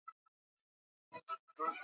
Mtoto wangu ni sauti ya jamii.